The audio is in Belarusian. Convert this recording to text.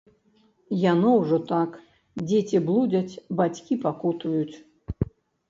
Яно ўжо так, дзеці блудзяць, бацькі пакутуюць.